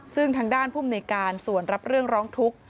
ซึ่งทางด้านภูมิในการส่วนรับเรื่องร้องทุกข์